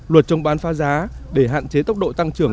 luật chống bán phá giá để hạn chế tốc độ tăng trưởng